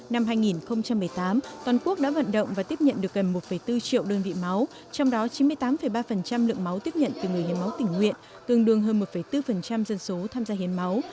năm hai nghìn một mươi tám toàn quốc đã vận động và tiếp nhận được gần một bốn triệu đơn vị máu trong đó chín mươi tám ba lượng máu tiếp nhận từ người hiến máu tỉnh nguyện tương đương hơn một bốn dân số tham gia hiến máu